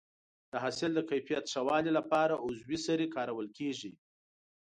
د حاصل د کیفیت ښه والي لپاره عضوي سرې کارول کېږي.